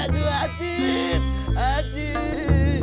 aduh aduh aduh'